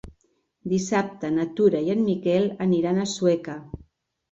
Dissabte na Tura i en Miquel aniran a Sueca.